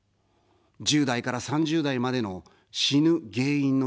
１０代から３０代までの、死ぬ原因の第１位が自殺。